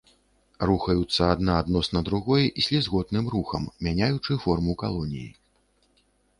Рухаюцца адна адносна другой слізготным рухам, мяняючы форму калоніі.